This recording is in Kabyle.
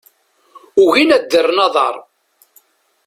Ugin ad rren aḍar.